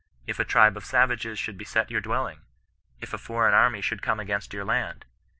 If a tribe of savages should beset your dwelling? If a foreign army should come against your land